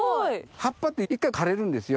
葉っぱって一回枯れるんですよ。